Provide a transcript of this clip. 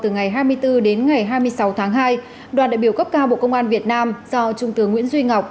từ ngày hai mươi bốn đến ngày hai mươi sáu tháng hai đoàn đại biểu cấp cao bộ công an việt nam do trung tướng nguyễn duy ngọc